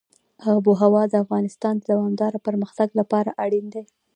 آب وهوا د افغانستان د دوامداره پرمختګ لپاره اړین دي.